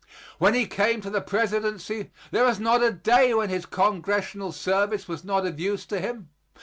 When he came to the presidency, there was not a day when his congressional service was not of use to him.